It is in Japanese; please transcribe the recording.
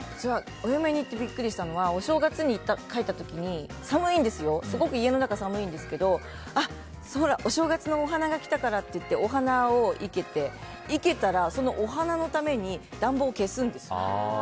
お嫁に行ってビックリしたのはお正月に帰った時にすごく家の中寒いんですけどほら、お正月のお花が来たからって言ってお花を生けて生けたらそのお花のために暖房を消すんですよ。